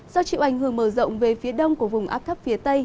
do chịu ảnh hưởng mở rộng về phía đông của vùng áp thấp phía tây